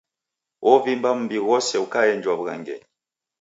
Wovimba mbi ghose ukaenjwa w'ughangenyi.